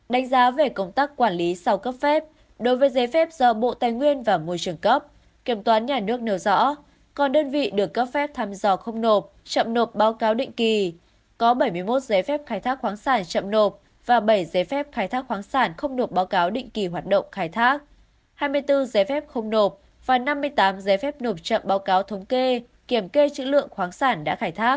đánh giá về công tác quản lý sau cấp phép đối với giấy phép do bộ tài nguyên và môi trường cấp kiểm toán nhà nước nêu rõ còn đơn vị được cấp phép tham dò không nộp chậm nộp báo cáo định kỳ có bảy mươi một giấy phép khai thác khoáng sản chậm nộp và bảy giấy phép khai thác khoáng sản không nộp báo cáo định kỳ hoạt động khai thác hai mươi bốn giấy phép không nộp và năm mươi tám giấy phép nộp chậm báo cáo thống kê kiểm kê chữ lượng khoáng sản đã khai thác